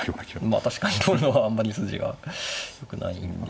まあ確かに取るのはあんまり筋がよくないんで。